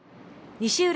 西浦